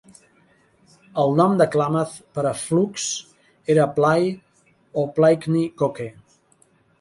El nom de Klamath per al flux era "Plai" o "Plaikni Koke".